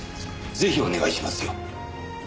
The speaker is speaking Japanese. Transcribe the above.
ぜひお願いしますよ。